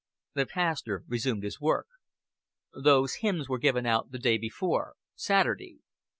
The pastor resumed his work. "Those hymns were given out the day before Saturday.